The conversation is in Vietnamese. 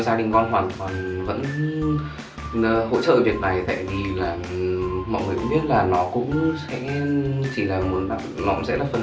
gia đình con hoàn toàn vẫn hỗ trợ việc này tại vì mọi người cũng biết là nó cũng sẽ là phần mọi người làm môi trường này tốt hơn